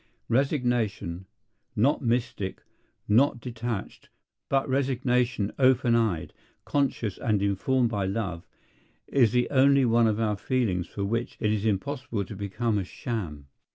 Resignation, not mystic, not detached, but resignation open eyed, conscious, and informed by love, is the only one of our feelings for which it is impossible to become a sham.